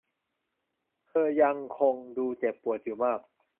เธอยังคงดูเจ็บปวดอยู่มาก